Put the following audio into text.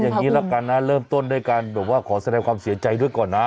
อย่างนี้ละกันนะเริ่มต้นด้วยการแบบว่าขอแสดงความเสียใจด้วยก่อนนะ